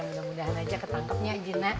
mudah mudahan aja ketangkepnya jinak